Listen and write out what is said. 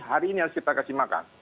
hari ini harus kita kasih makan